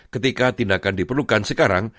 ketika tindakan diperlukan sekarang